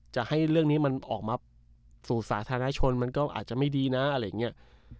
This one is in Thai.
จะให้เรื่องนี้มันออกมาสู่สาธารณชนมันก็อาจจะไม่ดีนะอะไรอย่างนี้